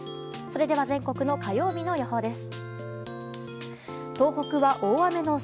それでは全国の火曜日の予報です。